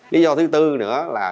lý do thứ tư nữa là